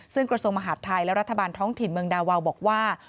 ซึ่งกระทรวงมหาดไทยและรัฐบาลท้องถิ่นเมืองดาวาวบอกว่า